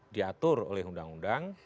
diatur oleh undang undang